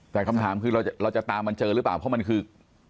แต่คำถามคือเราจะตามมันเจอหรือเปล่าเพราะมันคือ